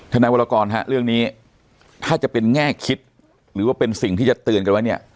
นายวรกรฮะเรื่องนี้ถ้าจะเป็นแง่คิดหรือว่าเป็นสิ่งที่จะเตือนกันไว้เนี่ย